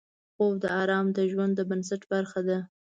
خوب د آرام د ژوند د بنسټ برخه ده